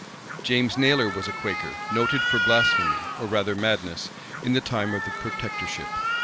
James Naylor was a Quaker, noted for blasphemy, or rather madness, in the time of the protectorship.